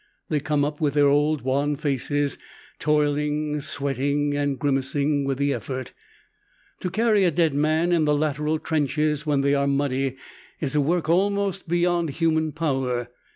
They come up with their old wan faces, toiling, sweating, and grimacing with the effort. To carry a dead man in the lateral trenches when they are muddy is a work almost beyond human power.